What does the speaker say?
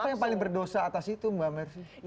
siapa yang paling berdosa atas itu mbak mercy